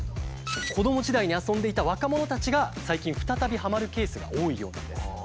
子ども時代に遊んでいた若者たちが最近再びハマるケースが多いようなんです。